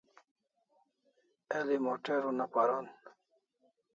El'i motor una paron